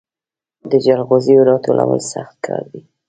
د جلغوزیو راټولول سخت کار دی